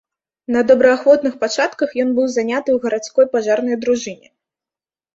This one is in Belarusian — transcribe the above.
На добраахвотных пачатках ён быў заняты ў гарадской пажарнай дружыне.